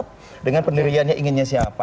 tapi beliau tetap dengan pendiriannya inginnya siapa